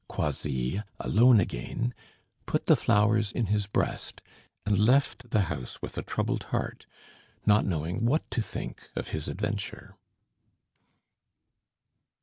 Croisilles, alone again, put the flowers in his breast, and left the house with a troubled heart, not knowing what to think of his adventure.